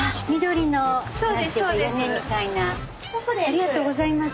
ありがとうございます。